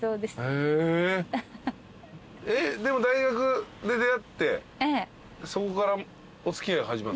えっでも大学で出会ってそこからお付き合い始まるんすか？